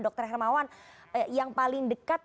dr hermawan yang paling dekat